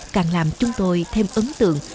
càng làm chúng tôi thêm ấn tượng